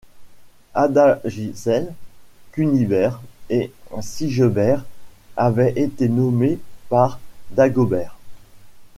Adalgisel, Cunibert, et Sigebert avaient été nommés par Dagobert.